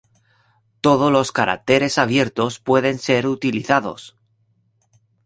Todos los caracteres abiertos pueden ser utilizados.